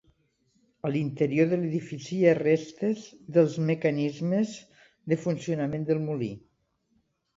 A l'interior de l'edifici hi ha restes dels mecanismes de funcionament del molí.